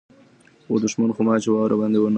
و دښمن خو ما چي وار باندي و نه کړ